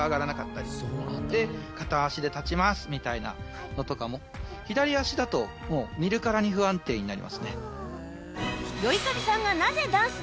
で片足で立ちますみたいなのとかも左足だともう見るからに不安定になりますね。